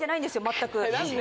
全く。